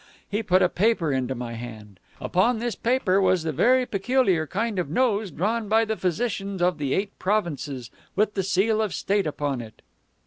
He put a paper into my hand. Upon this paper was the very peculiar kind of nose drawn by the physicians of the Eight Provinces, with the seal of state upon it.